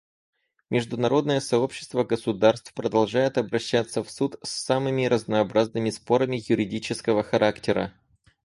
Международное сообщество государств продолжает обращаться в Суд с самыми разнообразными спорами юридического характера.